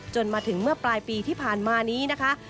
มาถึงเมื่อปลายปีที่ผ่านมานี้นะคะ